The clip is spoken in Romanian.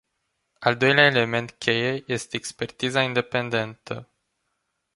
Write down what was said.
Al doilea element cheie este "expertiza independentă”.